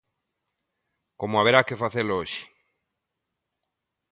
Como haberá que facelo hoxe.